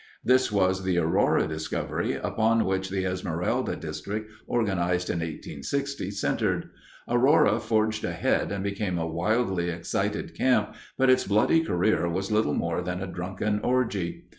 This was the Aurora discovery, upon which the Esmeralda District, organized in 1860, centered. Aurora forged ahead and became a wildly excited camp, but its bloody career was little more than a drunken orgy.